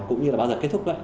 cũng như là bao giờ kết thúc